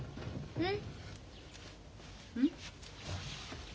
うん？